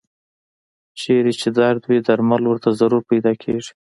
چېرته چې درد وي درمل ورته ضرور پیدا کېږي.